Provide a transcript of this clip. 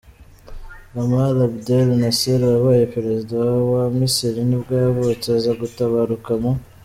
Gamal Abdel Nasser, wabaye perezida wa wa Misiri nibwo yavutse, aza gutabaruka mu .